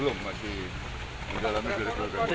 belum masih di dalam